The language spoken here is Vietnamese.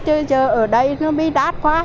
chứ ở đây nó bị đát quá